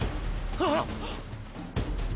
あっ。